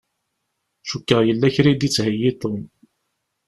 Cukkeɣ yella kra i d-ittheyyi Tom.